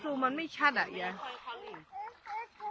สู้มันไม่ชัดอ่ะอย่า